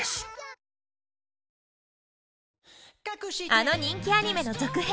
あの人気アニメの続編